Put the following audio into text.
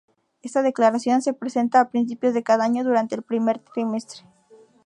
Esta declaración se presenta a principios de cada año, durante el primer trimestre.